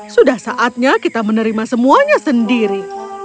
sudah saatnya kita menerima semuanya sendiri